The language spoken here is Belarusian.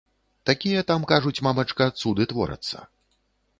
Такія там, кажуць, мамачка, цуды творацца.